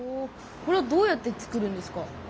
これはどうやって作るんですか？